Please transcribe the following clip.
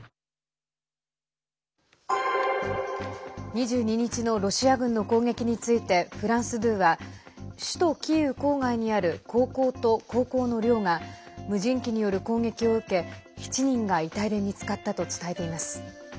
２２日のロシア軍の攻撃についてフランス２は首都キーウ郊外にある高校と高校の寮が無人機による攻撃を受け７人が遺体で見つかったと伝えています。